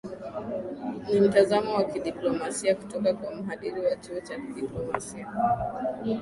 ni mtazamo wa kidiplomasia kutoka kwa mhadhiri wa chuo cha diplomasia